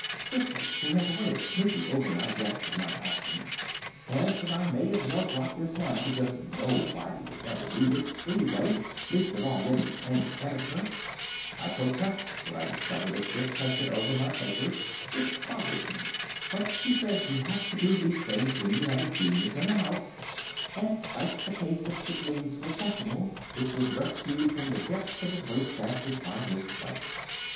(Sister, who has a way of snooping over my desk in my absence, says that I may as well drop this now, because nobody would ever read it, anyway, least of all any sane editor. I protest when I discover that Sis has been over my papers. It bothers me. But she says you have to do these things when you have a genius in the house, and cites the case of Kipling's "Recessional," which was rescued from the depths of his wastebasket by his wife.)